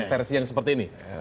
versi yang seperti ini